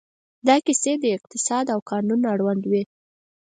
دا کیسې د اقتصاد او قانون اړوند وې.